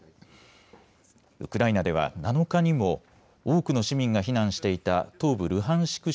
ウクライナでは７日にも多くの市民が避難していた東部ルハンシク